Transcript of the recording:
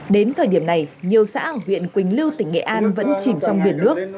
đến thời điểm này nhiều xã ở huyện quỳnh lưu tỉnh nghệ an vẫn chìm trong biển nước